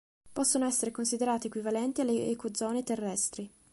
Possono essere considerati equivalenti alle ecozone terrestri.